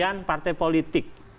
dan partai politik